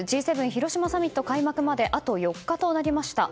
広島サミット開幕まであと４日となりました。